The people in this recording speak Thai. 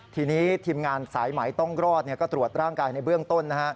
ทีนี้ทีมงานสายไหมต้องรอดก็ตรวจร่างกายในเบื้องต้น